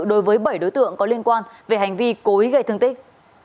đối với bảy đối tượng có liên quan về hành vi cố ý gây thương tích